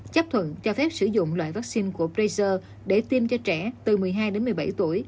chấp thuận cho phép sử dụng loại vaccine của praser để tiêm cho trẻ từ một mươi hai đến một mươi bảy tuổi